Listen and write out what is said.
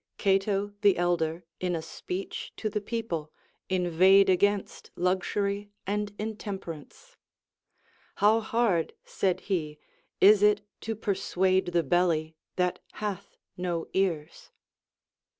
Cato the Elder, in a speech to the people, inveighed against luxury and intemperance. How hard, said he, is it to persuade the belly, that hath no ears